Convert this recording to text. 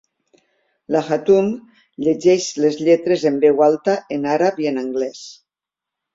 La Hatoum llegeix les lletres en veu alta en àrab i en anglès.